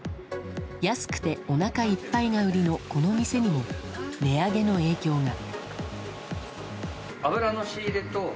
安くておなかいっぱいが売りのこの店にも値上げの影響が。